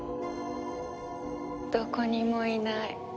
どこにもいない。